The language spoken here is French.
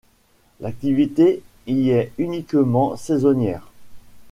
L'activité y est uniquement saisonnière.